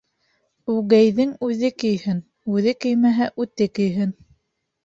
Үгәйҙең үҙе көйһөн, үҙе көймәһә, үте көйһөн.